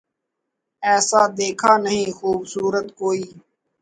ایسا دیکھا نہیں خوبصورت کوئی